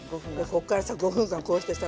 こっからさ５分間こうしてさ。